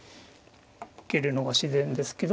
受けるのが自然ですけど。